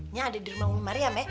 nya ada di rumah umariam ya